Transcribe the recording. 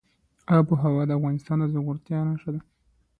آب وهوا د افغانستان د زرغونتیا نښه ده.